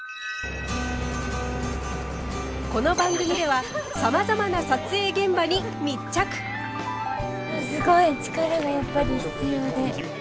この番組ではさまざまなすごい力がやっぱり必要で。